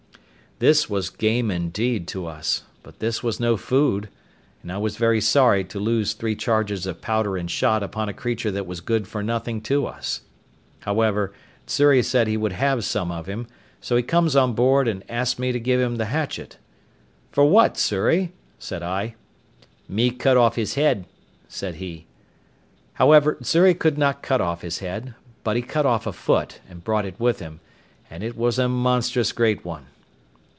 This was game indeed to us, but this was no food; and I was very sorry to lose three charges of powder and shot upon a creature that was good for nothing to us. However, Xury said he would have some of him; so he comes on board, and asked me to give him the hatchet. "For what, Xury?" said I. "Me cut off his head," said he. However, Xury could not cut off his head, but he cut off a foot, and brought it with him, and it was a monstrous great one.